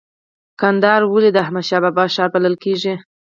کندهار ولې د احمد شاه بابا ښار بلل کیږي؟